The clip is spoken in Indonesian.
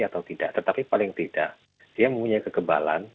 atau tidak tetapi paling tidak dia mempunyai kekebalan